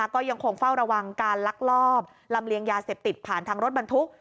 ก็ยังคงเฝ้าระวังการลักลอบลำเลียงยาเสพติดผ่านทางรถบรรทุก